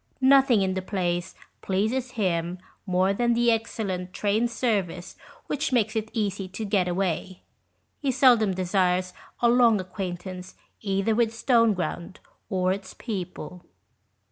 Nothing in the place pleases him more than the excellent train service which makes it easy to get away. He seldom desires a long acquaintance either with Stoneground or its people.